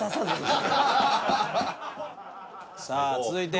さあ続いて。